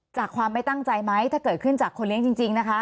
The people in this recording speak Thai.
ความไม่ตั้งใจไหมถ้าเกิดขึ้นจากคนเลี้ยงจริงนะคะ